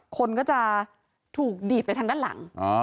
คนก็จะถูกดีดไปทางด้านหลัง